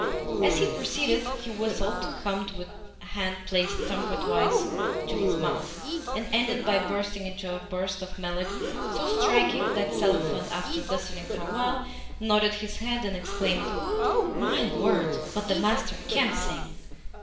As he proceeded he whistled, hummed with hand placed trumpetwise to his mouth, and ended by bursting into a burst of melody so striking that Selifan, after listening for a while, nodded his head and exclaimed, "My word, but the master CAN sing!"